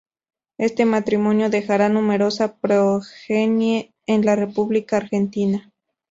Este matrimonio dejará numerosa progenie en la República Argentina.